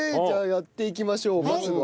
じゃあやっていきましょう。